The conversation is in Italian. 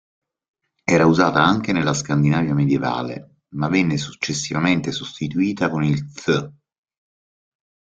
Era usata anche nella Scandinavia medievale, ma venne successivamente sostituita con il "th".